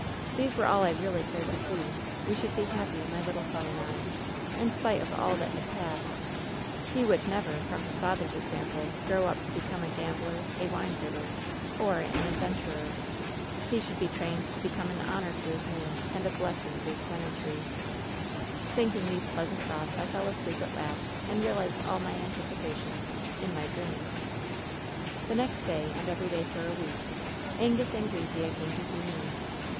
These were all I really cared to see. "We should be happy — ^my litte son and I — ^in spite of all that had passed. He would never, from his father's example, grow up to become a gambler, a wine .••'.,•'.....,^ y .•^,.••.". J ■""■..■' i» .' X. ''■.■.."' f. • ..rf •..,■> V .:./.■ rv'"" *^ WHEN SHADOWS DIE 186 bibber, or an adventurer. He should be trained to be come an honor to his name and a blessing to his tenantry. "Thinking these pleasant thoughts I fell asleep at last and realized all my anticipations — in my dreams ! "The next day, and every day for a week, Angus Anglesea came to see me.